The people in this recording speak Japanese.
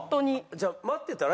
じゃあ待ってたら？